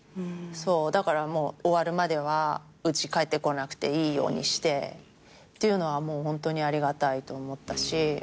だからもう終わるまではうち帰ってこなくていいようにして。っていうのはもうホントにありがたいと思ったし。